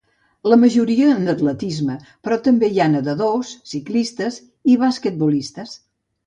La majoria, en atletisme, però també hi ha nedadors, ciclistes i basquetbolistes.